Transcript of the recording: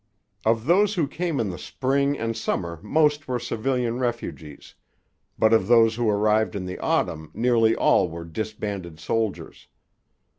Of those who came in the spring and summer most were civilian refugees; but of those who arrived in the autumn nearly all were disbanded soldiers.